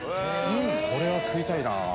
これは食いたいなぁ。